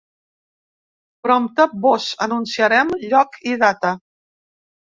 Prompte vos anunciarem lloc i data.